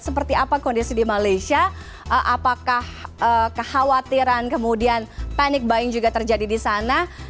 seperti apa kondisi di malaysia apakah kekhawatiran kemudian panic buying juga terjadi di sana